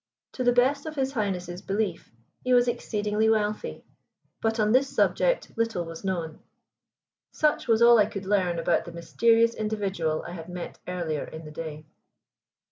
To the best of His Highness' belief he was exceedingly wealthy, but on this subject little was known. Such was all I could learn about the mysterious individual I had met earlier in the day.